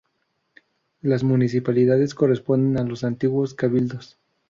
Las municipalidades corresponden a los antiguos cabildos.